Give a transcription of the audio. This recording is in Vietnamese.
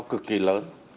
cực kỳ lớn